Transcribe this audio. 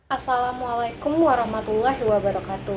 assalamualaikum warahmatullahi wabarakatuh